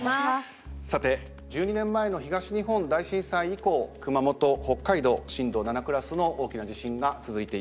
さて１２年前の東日本大震災以降熊本北海道震度７クラスの大きな地震が続いています。